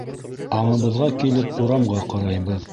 Аңыбыҙға килеп урамға ҡарайбыҙ.